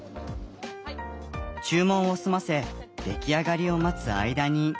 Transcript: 注文を済ませ出来上がりを待つ間に。